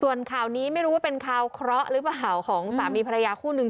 ส่วนข่าวนี้ไม่รู้ว่าเป็นข่าวเคราะห์หรือเปล่าของสามีภรรยาคู่นึง